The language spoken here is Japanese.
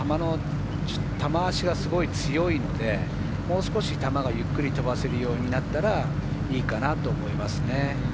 球脚がすごい強いので、もう少しゆっくり飛ばせるようになったらいいかなと思います。